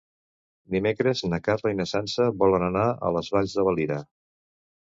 Dimecres na Carla i na Sança volen anar a les Valls de Valira.